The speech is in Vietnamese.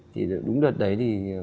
thì đúng đợt đấy thì